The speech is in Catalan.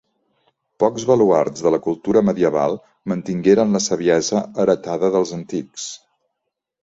Pocs baluards de la cultura medieval mantingueren la saviesa heretada dels antics.